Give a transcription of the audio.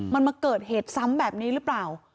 มันมาเกิดเหตุซ้ำแบบนี้หรือเปล่า